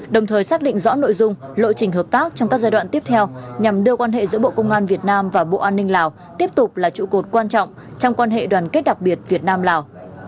đồng thời xác định rõ nội dung lộ trình hợp tác trong các giai đoạn tiếp theo nhằm đưa quan hệ giữa bộ công an việt nam và bộ an ninh lào tiếp tục là trụ cột quan trọng trong quan hệ đoàn kết đặc biệt việt nam lào